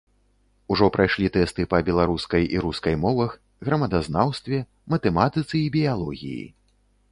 Ужо прайшлі тэсты па беларускай і рускай мовах, грамадазнаўстве, матэматыцы і біялогіі.